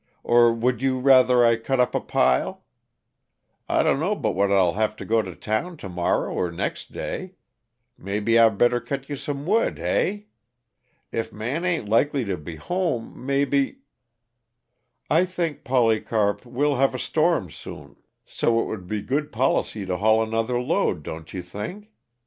Or would you rather I cut up a pile? I dunno but what I'll have to go t'town t' morrerr or next day mebby I better cut you some wood, hey? If Man ain't likely to be home, mebby " "I think, Polycarp, well have a storm soon. So it would be good policy to haul another load, don't you think?